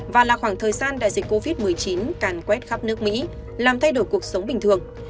và là khoảng thời gian đại dịch covid một mươi chín càn quét khắp nước mỹ làm thay đổi cuộc sống bình thường